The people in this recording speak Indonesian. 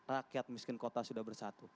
rakyat miskin kota sudah bersatu